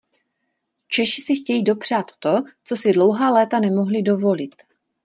Češi si chtějí dopřát to, co si dlouhá léta nemohli dovolit.